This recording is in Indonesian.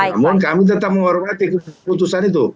namun kami tetap menghormati keputusan itu